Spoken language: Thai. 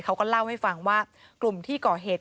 เขาก็เล่าให้ฟังว่ากลุ่มที่ก่อเหตุ